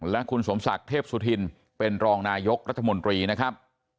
และคุณสมศักดิ์เทพสุธินเป็นรองนายกรัฐมนตรีนะครับ